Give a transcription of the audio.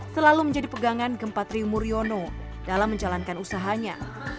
selalu menjadi pegangan gempa triumur yono dalam menjalankan usahanya